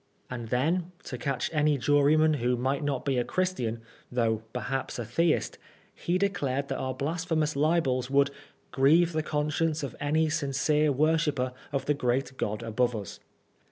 And then, to catch any juryman who might not be a Christian, though perhaps a Theist, he declared that our blasphe mous libels would "grieve the conscience of any sincere worshipper of the great God above us."